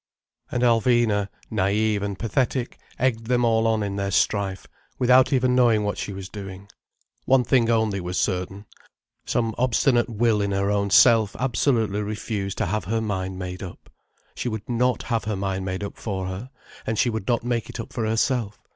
And Alvina, naïve and pathetic, egged them all on in their strife, without even knowing what she was doing. One thing only was certain. Some obstinate will in her own self absolutely refused to have her mind made up. She would not have her mind made up for her, and she would not make it up for herself.